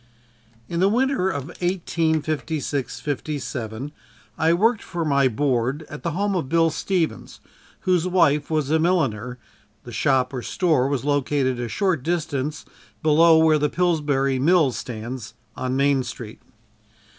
In the winter of 1856 57 I worked for my board at the home of "Bill" Stevens, whose wife was a milliner the shop, or store, was located a short distance below where the Pillsbury mill stands, on Main Street.